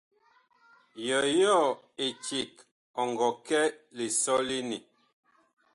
Yɔyɔɔ eceg ɔ ngɔ kɛ lisɔlene ?